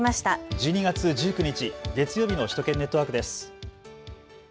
１２月１９日月曜日の首都圏ネットワークです。